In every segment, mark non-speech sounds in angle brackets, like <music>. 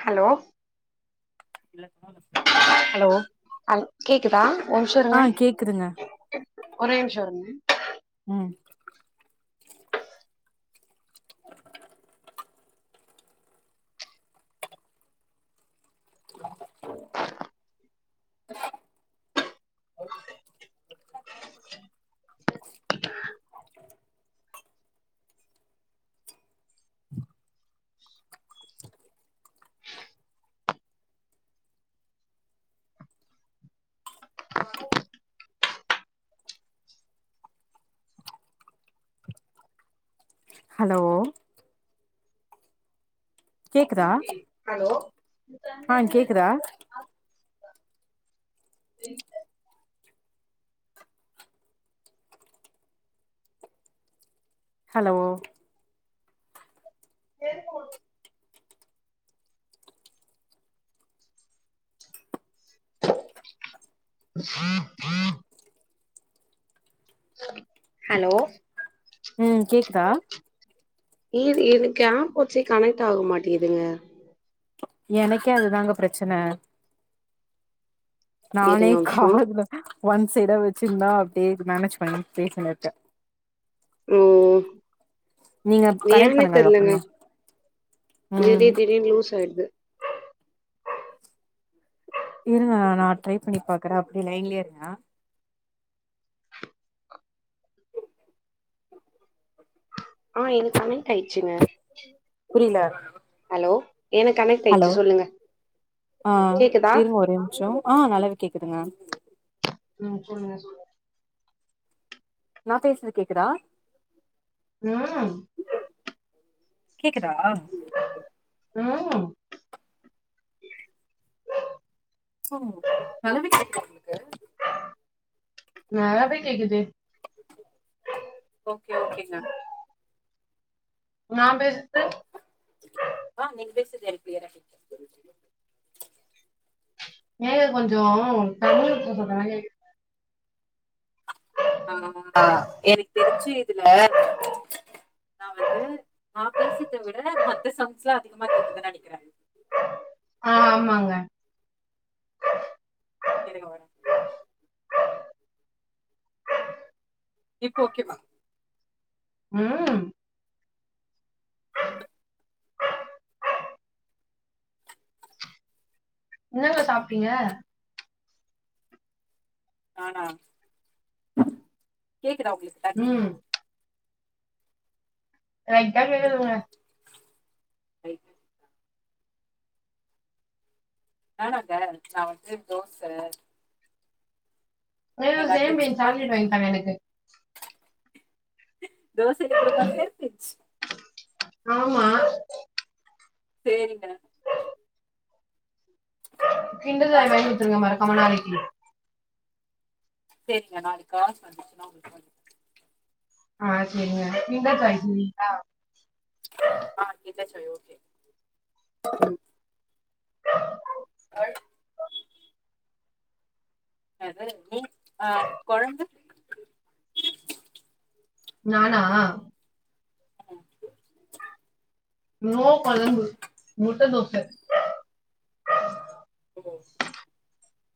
Hello hello ஹ கேக்குதா ஒரு நிமிஷோ ஆ இருங்க கேக்குதுங்க ஒரே நிமிஷோ இருங்க ம் அ ஹலோ கேக்குதா ஹலோ உம் ஆ கேக்குதா ஹலோ கேக்குவா ஆஹ் ஆஹ் ஹலோ ம் கேக்குதா இ எது கேம்ப் வச்சு கனெக்ட் ஆக மாட்டேதுங்க எனக்கே அதுதாங்க பிரச்சன நானே இருங்க ஒரு நிமிஷோ காதுல ஒன் சைடா வச்சிருந்தா அப்டியே மேனேஜ் பண்ணி பேசிட்டு இருக்கே ஓ நீங்க கனெக்ட் தியானே பண்ணுங்க தெரிலங்க அதுக்கப்றந்தா ம் திடீ திடீனு லூஸ் ஆயிடுது இருங்க நா ட்ரை பண்ணி பாக்குற அப்டி லைன்லயே இருங்க ஆ எனக்கு கனெட் ஆயிடுச்சுங்க புரில ஹலோ எனக்கு கனெக்ட் ஹலோ ஆயிடுச்சு சொல்லுங்க ஆ கேக்குதா இருங்க ஒரு நிமிஷோ ஆ நல்லாவே கேக்குதுங்க ம் சொல்லுங்க சொல் நா பேசுது கேக்குதா ம் கேக்குதா ம் ம் கழுவிட்ருக்கே நல்லாவே கேக்குது ஓகே ஓகேங்க நா பேசுது அ நீங்க பேசுது எனக்கு கிளியரா கேக்குது ஏ கொஞ்சோ தமிழ்த சொல்ற கேக்குது ஆ எனக்கு தெரிஞ்சு இதுல நா வந்து நா பேசத விட மத்த சவுண்ஸ் எல்லா அதிகமா கேக்குதுனு நெனைக்கிறே ஆ ஆமாங்க <unintelligible> இப்போ ஓகே வா ம் என்னங்க சாப்புட்டீங்க நானா கேகுதா உங்களுக்கு தண்ணி ம் லைட்டா கேக்குதுங்க <unintelligible> நானங்க நா வந்து தோச எங்க <unintelligible> அத்த சேம் பின்ச் சப்பாத்தி சாக்லேட் வாங்கி தாங்க எனக்கு தோசை குருமா சேம் பின்ச் ஆமா சேரிங்க கிண்டர் ஜாய் வாங்கி வாங்கிட்டே குடுத்துடுங்க மறக்காம நாளைக்கு சேரிங்க நாளைக்கு கால் வந்திச்சுன்னா உங்களுக்கு ஆ சேரிங்க நீங்க தா தைப்பிங்களா ஆ <unintelligible> ம் அது நீ அ குழம்பு நானா ஆ நோ குழம்பு முட்ட தோச ஓ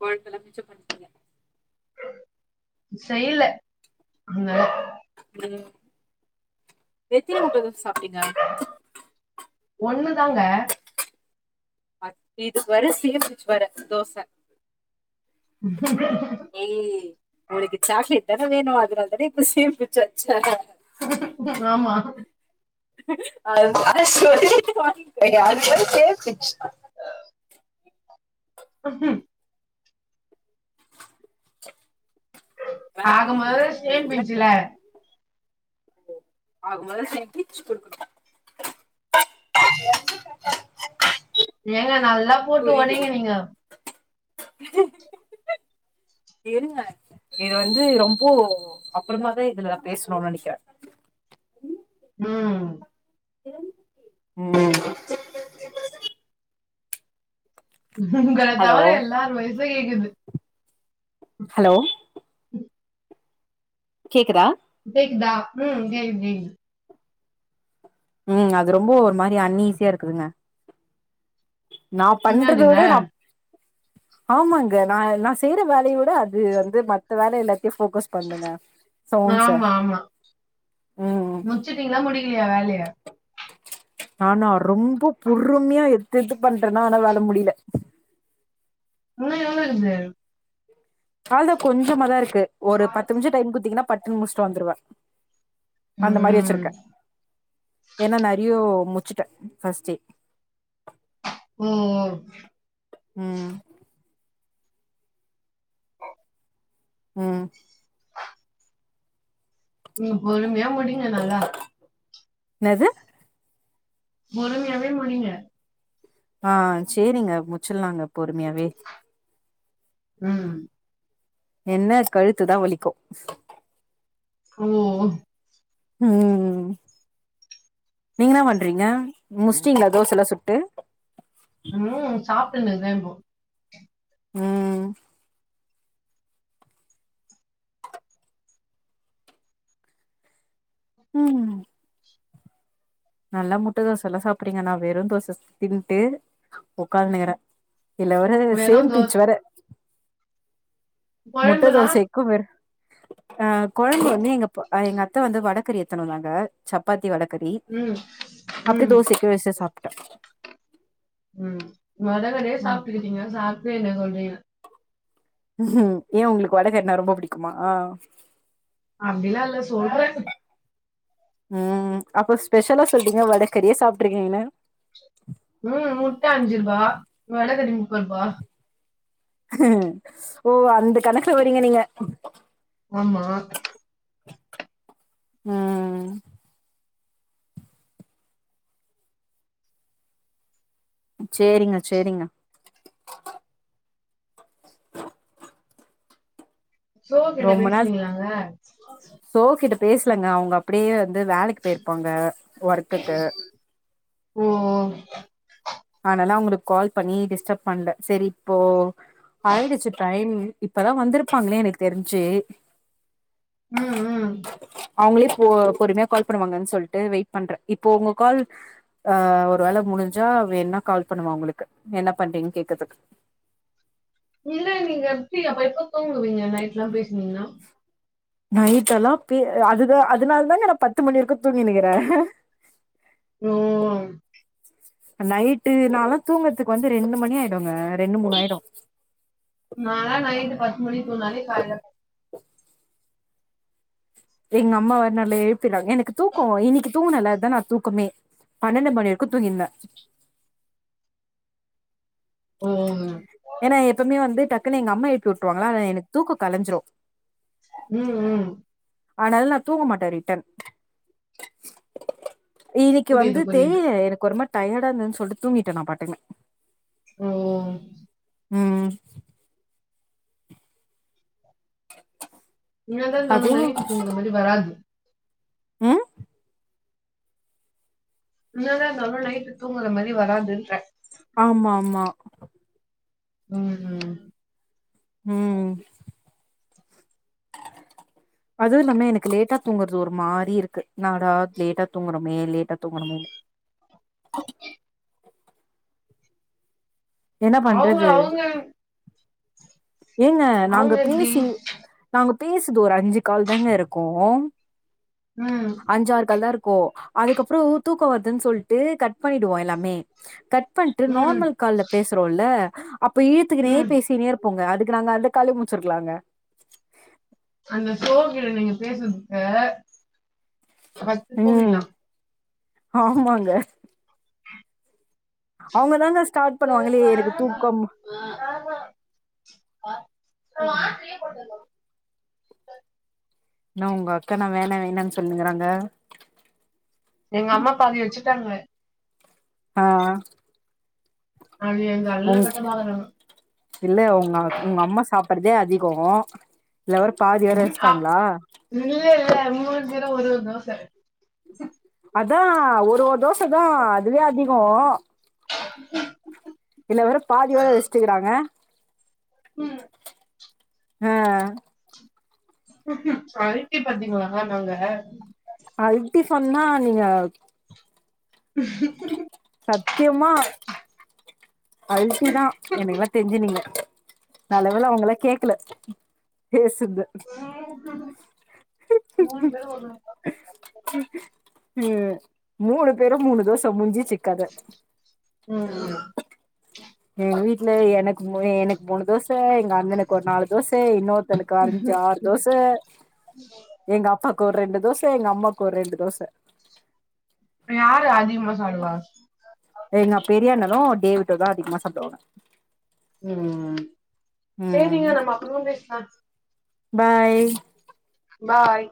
குழம்பெல்லா மிச்ச படுத்துரிங்க செய்ல அங்க உம் எத்தின முட்ட தோச சாப்புட்டீங்க ஒண்ணு தாங்க இதுக்கு வேற சேம் பின்ச் வேற தோச ஏய் உனக்கு சாக்லேட் தான வேணு அதனால தான இப்ப சேம் பின்ச் வெச்ச ஆமா அது தான சொல்லிட்டு வாங்கிகோ அதுக்கு எதுக்கு சேம் பின்ச் <unintelligible> வேற ஆக இல்ல. முதல்ல உங்க சேம் இதெல்லாம் பின்ச்சுல பண்ணு. ஆக முதல்ல சேம் பின்ச் கொடுக்கணு <inaudible> ஏங்க நல்லா போட்டு புரியுது உடைங்க நீங்க இருங்க இது வந்து ரொம்போ அப்பறமாதா இதுல நா பேசுணு நினைக்கிற ம் ம் உங்களத் ஹலோ தவர எல்லாரு வாய்சு கேக்குது ஹலோ உம் கேக்குதா கேக்குதா ம் கேக்குது கேக்குது ம் அது ரொம்ப ஒரு மாரி அன்னிசியா இருக்குதுங்க நா பண்றத என்னதுங்க விட நா ஆமாங்க நா நா செய்யற வேலைய விட அது வந்து மத்த வேலை எல்லாத்தையு போக்கஸ் பண்ணுங்க சாங்ஸ்ச ஆமா ம் முடிச்சிட்டிங்ளா முடிகலியா வேலய ஆனா ரொம்ப பொறுமையா எடுத்து எடுத்து பண்றேன்னா ஆனா வேல முடில இன்னு எவ்ளோ இக்குது அவ்ளோதா கொஞ்சமா தா இருக்கு ஒரு பத்து நிமிஷோ டைம் குடுத்தீங்கன்னா பட்டுன்னு முடிச்சுட்டு வந்துடுவே அந்த மாரி ம் வெச்சிருக்கே ஏன்னா நெறையோ முச்சு <unintelligible> ஃபஸ்ட்டே ம் ம் ம் நீங்க பொறுமையா முடிங்க நல்லா இன்னது பொறுமயாவே முடிங்க ஆ சேரிங்க முச்சிட்லாங்க பொறுமயாவே ம் என்ன கழுத்துதா வலிக்கு ஓ ம் நீங்க என்ன பண்றீங்க முடிச்சிட்டிங்ளா தோசல்லா சுட்டு ம் சாப்டின்னு இருக்கே இப்போ ம் ம் நல்லா முட்ட தோச எல்லா சாப்டுறீங்க நா வெறு தோச தின்ட்டு உக்காந்தினுக்கிறே இதுல வேற வெறு சேம் தோ பின்ச் வேற முட்ட கொழம்புலா தோசைக்கு வெறு அ கொழம்பு வந்து எங்க எங்க அத்த வந்து வடகறி எத்துனு வந்தாங்க சப்பாத்தி வடகறி ம் அப்டியே ம் தோசைக்கு வெச்சு சாப்ட்டே ம் வடகறியே சாப்ட்டுக்கிறீங்க சாப்ட்டு என்ன சொல்றீங்க ம் ஏ உங்ளுக்கு வடகறினா ரொம்ப புடிக்குமா அப்டில்லா இல்ல சொல்றே ம் அப்போ ஸ்பெஷலா சொல்றீங்க வடக்கறியே சாப்ட்டுருக்கீங்கன்னு ம் முட்ட அஞ்சு ரூபா வடகறி முப் முப்பரூபா ஓ அந்த கணக்குல வரிங்க நீங்க ஆமா அ சேரிங்க சேரிங்க சோ கிட்ட ரொம்ப நாள் பேசுனீங்களாங்க சோ கிட்ட பேசலங்க அவுங்க அப்டியே வந்து வேலைக்கு போய்ருப்பாங்க ஒர்க்குக்கு ஓ ஓ அதனால அவுங்களுக்கு கால் பண்ணி டிஸ்டப் பண்ல செரி இப்போ ஆயிடுச்சு டைம் இப்பதா வந்திருப்பாங்களே எனக்கு தெரிஞ்சு ம் ம் அவுங்ளே போ பொறும்யா கால் பண்ணுவாங்கன் சொல்ட்டு வெயிட் பண்ற இப்போ உங்க கால் ஆ ஒரு வேல முடிஞ்சா வேண்ணா கால் பண்ணுவ அவுங்களுக்கு என்ன பண்றீங்ன் கேக்கற்துக்கு இல்ல நீங்க எப்டி அப்ப எப்ப தூங்குவீங்க நைட்லா பேசுனீங்குனா நைட் எல்லா பே அதுதா அதுனால் தாங்க நா பத்து மணி வரிக்கு தூங்கினிக்கிறே ஓ நைட்டு நாலா தூங்கற்துக்கு வந்து ரெண்டு மணி ஆய்டுங்க ரெண்டு மூணாய்டு நாலா நைட்டு பத்து மணிக் தூங்னாலே கால்ல எங் அம்மா வர்னாலே எழுப்பிட்றாங் எனக்கு தூக்கோ இன்னிக்கி தூங்குனல அதா நா தூக்கமே பணண்டு மணி வர்க்கு தூங்கிர்ந்த ஓ ஏனா எப்பமே வந்து டக்குனு எங்க அம்மா எழுப்பி உட்ருவாங்ளா ஆனா எனக் தூக்கோ கலஞ்சுரு ம் ம் அனால் நா தூங்க மாட்ட ரிட்டன் இன்னிக்கி வந்து புரியுது புரியுது தெரில எனக்கு ஒரு மாரி டயர்டா இருந்துதுன் சொல்ட்டு தூங்கிட்ட நா பாட்டுக்னு ஓ ம் என்னதா நம்ம அதுவு நைட்டு தூங்ற மாரி வராது அ எனனதா நம்ம நைட்டு தூங்குற மாரி வராதுன்ற ஆமாம்மா ம் ம் ம் அதூ இல்லாம எனக்கு லேட்டா தூங்கற்து ஒரு மாரி இருக்கு என்னாடா லேட்டா தூங்குறோமே லேட்டா தூங்கணுமேனு என்ன அவுங்க பண்றது அவுங்க ஏங்க நாங்க அவங்க எப்டி பேசி நாங்க பேசுது ஒரு அஞ்சு கால் தாங்க இருக்கு ம் அஞ்சார் கால்தா இருக்கு அதுக்கப்றோ தூக்கோ வர்துன் சொல்ட்டு கட் பண்ணிடுவோ எல்லாமே கட் பண்ட்டு ம் நார்மல் கால்ல பேசுறோல அப்ப இழுத்துக்குனே ம் பேசினேர் போங்க அதுக்கு நாங்க அந்த காலே முட்ச்சிர்க்லாங்க அந்த சோகில நீங்க பேசற்துக்கு பட்த்து ம் தூங்கிர்லா ஆமாங்க அவுங்க தாங்க ஸ்டாட் பண்ணுவாங்கலே எனக்கு தூக்கம் <inaudible> ன்ன உங்க அக்கா என்ன வேணா வேணான் சொல்லிகுறாங்க எங்க அம்மா பாதி வச்சுட்டாங்க ஆ அது எங்க அல்ல உங் சட்டம் அவதா இல்ல உங்க உங்கம்மா சாப்பற்தே அதிகோ இதுல வேற பாதி வேற ஆ வச்ட்டாங்ளா இல்ல இல்ல மூர்கிறா ஒரே ஒரு தோச அதா ஒரு ஒரு தோச தா அதுவே அதிகோ இதுல வேற பாதி வேற வஸ்ட்டிகுறாங்க ம் அ அழுத்தி பாத்தீங்ளாகா நாங்க அல்டி சொன்னா நீங்கப் சத்தியமா அல்டிதா எனக்குலா தெஞ்சி நீங்க நல்லவேள அவுங்களா கேக்கல பேசுத்து <unintelligible> ம் மூனு பேரும் மூனு தோச முஞ்சிச்சி கத ம் ம் எங்க வீட்ல எனக்கு மூ எனக்கு மூனு தோச எங்க அண்ணனுக்கு ஒரு நாலு தோச இன்னொர் தனுக்கு அஞ்சாறு தோச எங்கப்பாக்கு ஒரு ரெண்டு தோச எங்கம்மாக்கு ஒரு ரெண்டு தோச யாரு அதிகமா சாப்டுவா எங்க பெரிய அண்ணனு டேவிட்டுதா அதிகமா சாப்டுவாங்க ம் சேரிங்க ம் நம்ம அப்றமா பேச்லா பாய் பாய்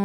ம்